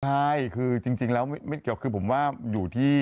ใช่คือจริงแล้วไม่เกี่ยวคือผมว่าอยู่ที่